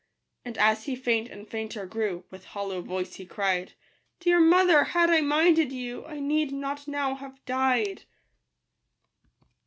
And as he faint and fainter grew, With hollow voice he cried, " Dear mother, had I minded you, I need not now have died."